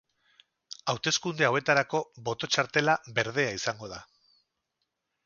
Hauteskunde hauetarako boto-txartela berdea izango da.